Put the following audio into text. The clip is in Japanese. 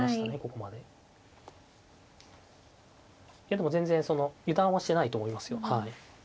でも全然油断はしてないと思いますよはい。